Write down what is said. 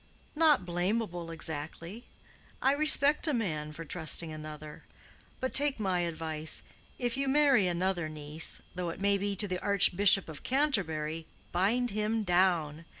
"Not blamable exactly. I respect a man for trusting another. But take my advice. If you marry another niece, though it may be to the Archbishop of Canterbury, bind him down.